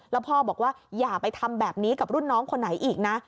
แล้วพ่อบอกว่าอย่าไปทำแบบนี้กับรุ่นน้องคนไหนอีกนะ